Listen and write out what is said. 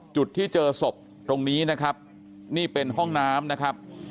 จุดที่เจอศพตรงนี้นะครับนี่เป็นห้องน้ำนะครับ